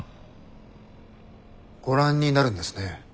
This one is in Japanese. ご覧になるんですね。